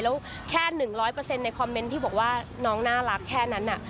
แล้วแค่๑๐๐ในคอมเมนต์ที่บอกว่าน้องน่ารักแค่นั้น